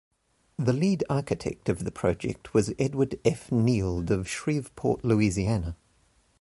The lead architect of the project was Edward F. Neild of Shreveport, Louisiana.